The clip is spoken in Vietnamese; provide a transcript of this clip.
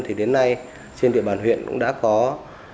thì đến nay trên địa bàn huyện cũng đã có gần một trăm linh ha cây dược liệu